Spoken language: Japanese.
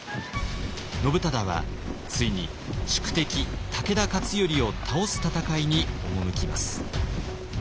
信忠はついに宿敵武田勝頼を倒す戦いに赴きます。